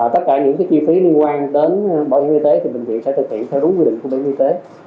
tất cả những chi phí liên quan đến bảo hiểm y tế thì bệnh viện sẽ thực hiện theo đúng quy định của bảo hiểm y tế